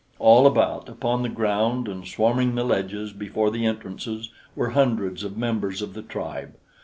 All about, upon the ground and swarming the ledges before the entrances, were hundreds of members of the tribe.